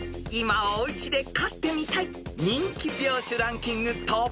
［今おうちで飼ってみたい人気猫種ランキング